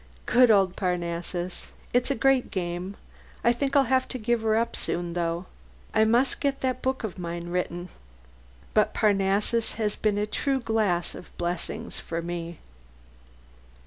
Good old Parnassus! It's a great game.... I think I'll have to give her up soon, though: I must get that book of mine written. But Parnassus has been a true glass of blessings to me.